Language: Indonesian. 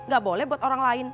gak boleh buat orang lain